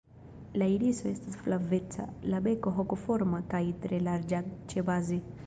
La iriso estas flaveca, la beko hokoforma kaj tre larĝa ĉebaze.